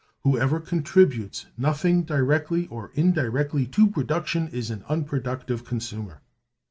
Whoever contributes nothing directly or indirectly to production is an unproductive consumer.